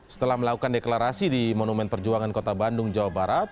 setelah melakukan deklarasi di monumen perjuangan kota bandung jawa barat